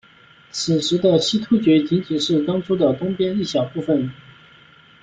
此时的西突厥仅仅是当初的东边一小部分。